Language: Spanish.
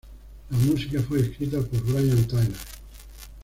La música fue escrita por Brian Tyler.